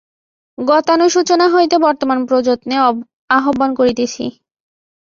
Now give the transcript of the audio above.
গতানুশোচনা হইতে বর্তমান প্রযত্নে আহ্বান করিতেছি।